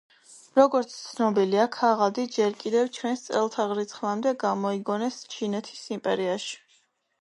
როგორც ცნობილია ქაღალდი ჯერ კიდევ ჩვენს წელთაღრიცხვამდე გამოიგონეს ჩინეთის იმპერიაში.